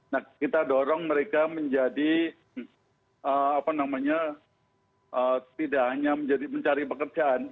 nah kita dorong mereka menjadi apa namanya tidak hanya menjadi pencari pekerjaan